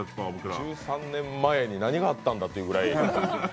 １３年前に何があったんだっていうぐらい。